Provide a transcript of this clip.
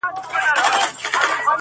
• هغه ولس چي د .